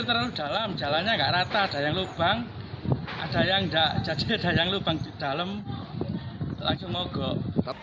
terlalu dalam jalannya enggak rata daya lubang ada yang enggak jadi daya lubang di dalam lagi mogok